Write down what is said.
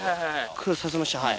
クロスさせましたはい。